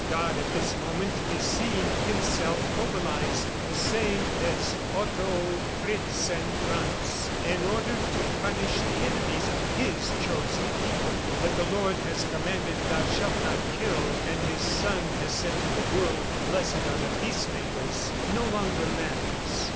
God at this moment is seeing Himself mobilized the same as Otto, Fritz and Franz, in order to punish the enemies of His chosen people. That the Lord has commanded, 'Thou shalt not kill,' and His Son has said to the world, 'Blessed are the peacemakers,' no longer matters.